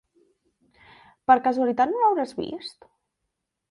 Per casualitat no l'hauràs vist?